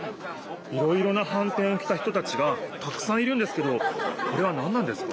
いろいろなはんてんをきた人たちがたくさんいるんですけどこれはなんなんですか？